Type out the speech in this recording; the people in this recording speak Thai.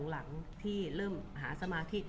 คุณผู้ถามเป็นความขอบคุณค่ะ